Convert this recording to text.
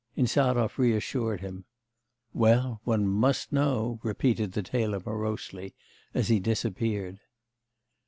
Insarov reassured him. 'Well, one must know,' repeated the tailor morosely, as he disappeared.